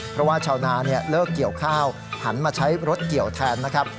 เพราะว่าชาวนาเลิกเกี่ยวข้าวหันมาใช้รถเกี่ยวแทนนะครับ